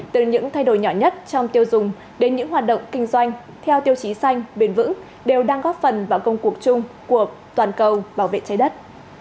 từ những thay đổi nhỏ nhất trong tiêu dùng đến những hoạt động kinh doanh theo tiêu chí xanh bền vững đều đang góp phần vào công cuộc chung của toàn cầu bảo vệ trái đất